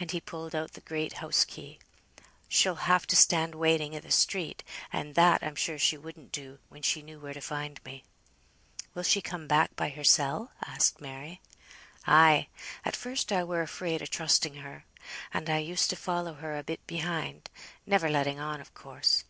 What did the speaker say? and he pulled out the great house key. "She'll have to stand waiting i' th' street, and that I'm sure she wouldn't do, when she knew where to find me." "Will she come back by hersel?" asked Mary. "Ay. At first I were afraid o' trusting her, and I used to follow her a bit behind; never letting on, of course.